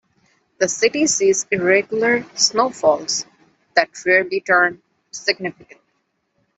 The city sees irregular snowfalls that rarely turn significant.